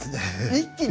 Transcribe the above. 一気に？